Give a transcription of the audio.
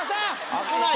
危ない。